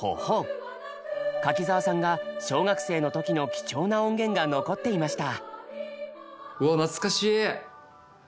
柿澤さんが小学生の時の貴重な音源が残っていました。